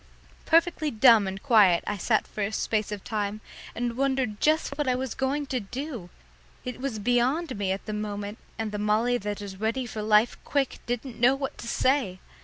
Perfectly dumb and quiet I sat for a space of time and wondered just what I was going to do. It was beyond me at the moment, and the Molly that is ready for life quick didn't know what to say.